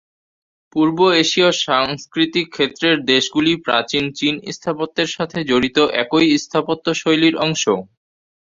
পূর্ব এশীয় সাংস্কৃতিক ক্ষেত্রের দেশগুলি প্রাচীন চীন স্থাপত্যের সাথে জড়িত একই স্থাপত্য শৈলীর অংশ।